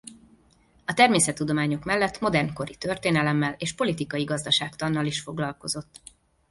A természettudományok mellett modern kori történelemmel és politikai gazdaságtannal is foglalkozott.